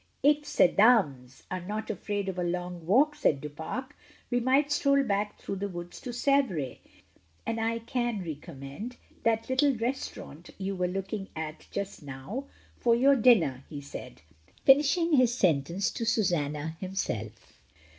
"If ces dames are not afraid of a long walk," said Du Pare, "we might stroll back through the woods to Sevres; and I can recommend that little restaurant you were looking at just now for your dinner," he said, finishing his sentence to Susanna herself.